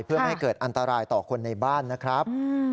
เพื่อไม่ให้เกิดอันตรายต่อคนในบ้านนะครับ